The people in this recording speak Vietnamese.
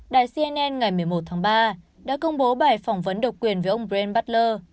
đài cnn ngày một mươi một tháng ba đã công bố bài phỏng vấn độc quyền với ông brian butler